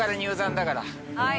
はい。